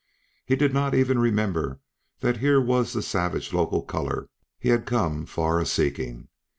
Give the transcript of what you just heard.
He did not even remember that here was the savage local color he had come far a seeking.